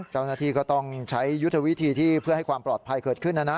เจ้าหน้าที่ก็ต้องใช้ยุทธวิธีที่เพื่อให้ความปลอดภัยเกิดขึ้นนะนะ